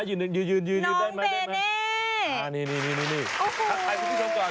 ยืนก่อนนะยืนได้มั้ยได้มั้ยน้องเบเน่นี่นี่ทักทายคุณผู้ชมก่อน